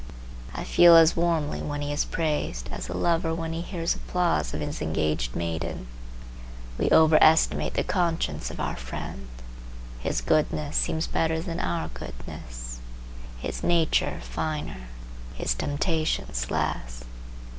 I feel as warmly when he is praised, as the lover when he hears applause of his engaged maiden. We over estimate the conscience of our friend. His goodness seems better than our goodness, his nature finer, his temptations less.